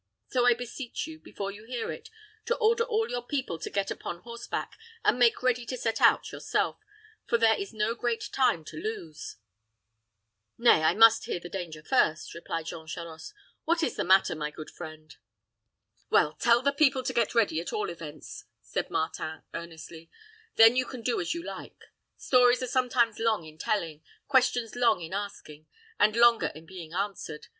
So I beseech you, before you hear it, to order all your people to get upon horseback, and make ready to set out yourself, for there is no great time to lose." "Nay, I must hear the danger first," replied Jean Charost "What is the matter, my good friend?" "Well, tell the people to get ready, at all events," said Martin, earnestly; "then you can do as you like. Stories are sometimes long in telling, questions long in asking, and longer in being answered.